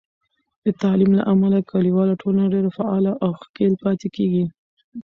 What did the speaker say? د تعلیم له امله، کلیواله ټولنه ډیر فعاله او ښکیل پاتې کېږي.